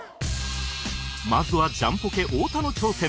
まずはジャンポケ太田の挑戦